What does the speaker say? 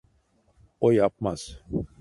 O yapmaz.